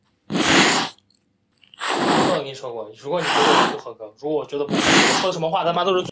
昂热人口变化图示